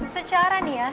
secara nih ya